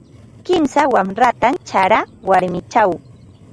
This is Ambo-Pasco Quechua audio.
Kimsa wanratam charaa warmichaw.